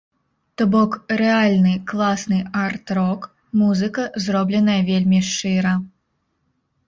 То бок рэальны, класны арт-рок, музыка, зробленая вельмі шчыра.